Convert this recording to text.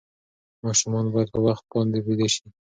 ماشومان باید په وخت باندې ویده شي.